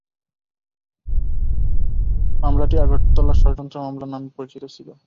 মামলাটি ‘আগরতলা ষড়যন্ত্র মামলা’ নামে পরিচিত ছিল।